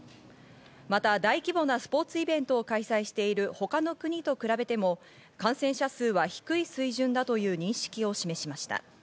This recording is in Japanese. また大規模なスポーツイベントを開催している他の国と比べても感染者数は低い水準だという認識を示しました。